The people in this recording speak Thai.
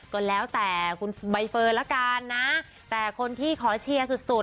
ก็แล้วแต่คุณใบเฟิร์นละกันนะแต่คนที่ขอเชียร์สุดสุด